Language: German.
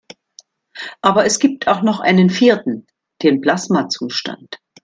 Aber es gibt auch noch einen vierten: Den Plasmazustand.